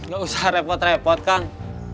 gak usah repot repot kan